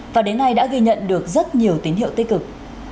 và đến nay đã ghi nhận được rất nhiều tín hiệu tích cực